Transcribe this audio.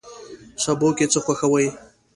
سبو کی څه خوښوئ؟